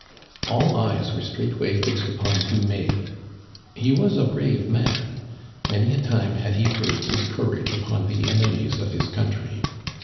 All eyes were straightway fixed upon Dumais. He was a brave man. Many a time had he proved his cour age upon the enemies of his country.